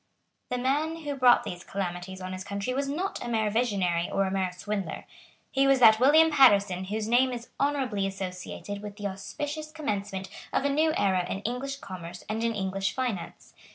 The man who brought these calamities on his country was not a mere visionary or a mere swindler. He was that William Paterson whose name is honourably associated with the auspicious commencement of a new era in English commerce and in English finance.